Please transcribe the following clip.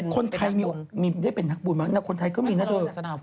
คนไทยได้เป็นนักบุญบ้างคนไทยก็มีนักบุญ